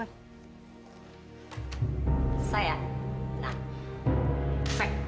selesai ya nah pack